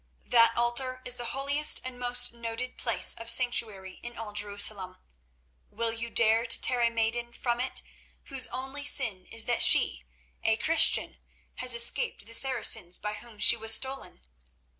That altar is the holiest and most noted place of sanctuary in all Jerusalem. Will you dare to tear a maiden from it whose only sin is that she, a Christian, has escaped the Saracens by whom she was stolen?